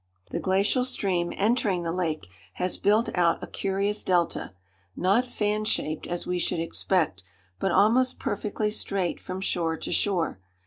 The glacial stream entering the lake has built out a curious delta, not fan shaped as we should expect, but almost perfectly straight from shore to shore.